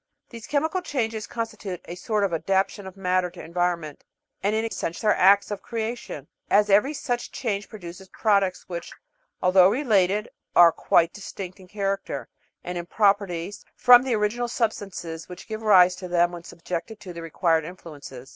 These chemical changes constitute a sort of adapta tion of matter to environment, and in a sense are acts of creation, as every such change produces products which, although related, are quite distinct in character and in prop erties from the original substances which give rise to them when subjected to the required influences.